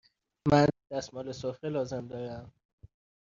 من دستمال سفره لازم دارم.